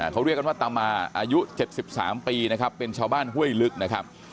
เขาเรียกกันว่าตามาอายุ๗๓ปีนะครับเป็นชาวบ้านห้วยลึกนะครับ